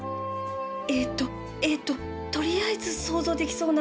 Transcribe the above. えーっとえーっと取りあえず想像できそうな